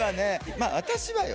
まあ私はよ？